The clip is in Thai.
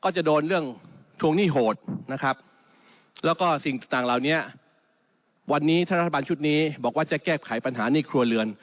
อย่างเหล่านี้วันนี้ท่านรัฐบาลชุดนี้บอกว่าจะแก้ไขปัญหาหนี้ครัวเรือน